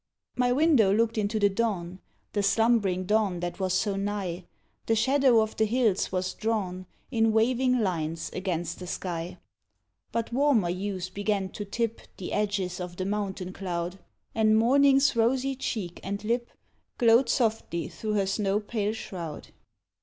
My window looked into the dawn, The slumbering dawn that was so nigh, The shadow of the hills was drawn In waving lines against the sky. But warmer hues began to tip The edges of the mountain cloud And morning's rosy cheek and lip Glowed softly through her snow pale shroud.